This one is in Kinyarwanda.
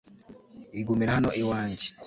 igumire hano iwanjye